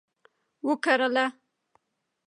وکرله